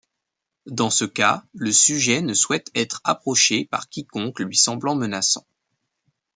Dans ce cas, le sujet ne souhaite être approché par quiconque lui semblant menaçant.